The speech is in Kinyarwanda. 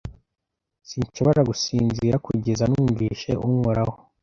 sinshobora gusinzira kugeza numvise unkoraho